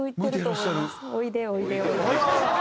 おいでおいでおいで。